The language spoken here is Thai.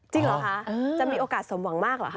จริงหรือคะจะมีโอกาสสมหวังมากหรือคะ